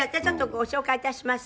ご紹介致します。